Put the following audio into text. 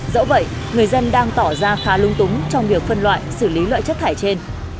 dẫu vậy người dân đang tỏ ra khá lung túng trong việc phân loại xử lý loại chất thải trên